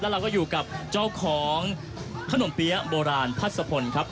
เราก็อยู่กับเจ้าของขนมเปี๊ยะโบราณพัศพลครับ